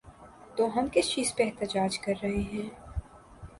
تو ہم کس چیز پہ احتجاج کر رہے ہیں؟